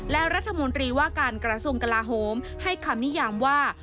และรัฐมนตรีว่าการกระทรวงกลาโหมให้คำนิยามว่า